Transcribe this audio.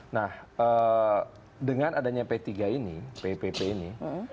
nah dengan adanya ppp ini